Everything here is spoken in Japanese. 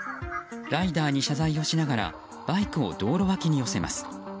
ライダーに謝罪をしながらバイクを道路脇に寄せます。